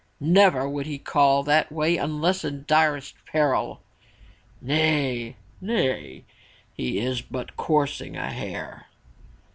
Never would he call that way unless in direst peril!" "Nay! nay! he is but coursing a hare!"